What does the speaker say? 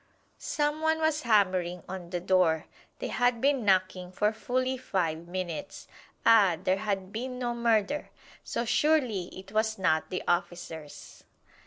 Some one was hammering on the door; they had been knocking for fully five minutes ah! There had been no murder, so surely it was not the officers.